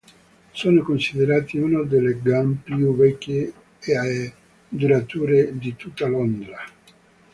Sono considerati una delle "gang" più vecchie e durature di tutta Londra.